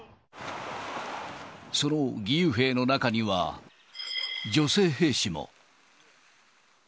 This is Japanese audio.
その義勇兵の中には、女性兵士も。